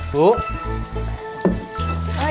bu mau lagi jalan bu